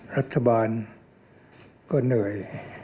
รัฐบาลก็เหนื่อย